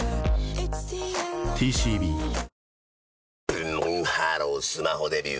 ブンブンハロースマホデビュー！